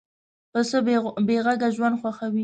پسه بېغږه ژوند خوښوي.